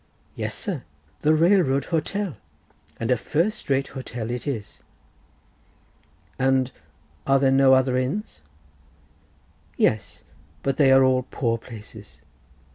"Yes, sir, the railroad hotel—and a first rate hotel it is." "And are there no other inns?" "Yes; but they are all poor places.